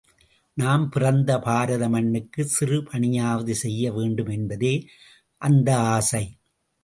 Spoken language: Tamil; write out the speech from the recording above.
நாம் பிறந்த பாரத மண்ணுக்கு சிறுபணியாவது செய்ய வேண்டும் என்பதே அந்த ஆசை.